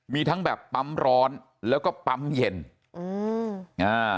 มีทั้งแบบปั๊มร้อนแล้วก็ปั๊มเย็นอืมอ่า